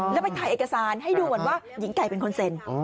แล้วไปถ่ายเอกสารให้ดูเหมือนว่าหญิงไก่เป็นคนเซ็น